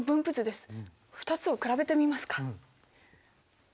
２つを比べてみますか。